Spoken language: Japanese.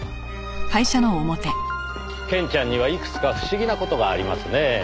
ケンちゃんにはいくつか不思議な事がありますねぇ。